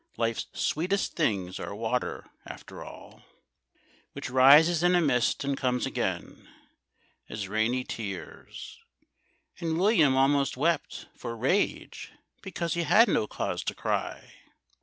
Life's sweetest things are water after all: Which rises in a mist, and comes again As rainy tears. And William almost wept For rage, because he had no cause to cry.